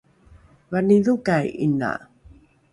vanidhokai ’ina?